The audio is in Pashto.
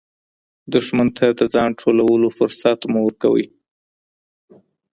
دښمن ته د ځان ټولولو فرصت مه ورکوئ.